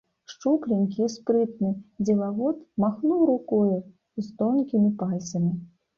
Шчупленькі і спрытны дзелавод махнуў рукою з тонкімі пальцамі.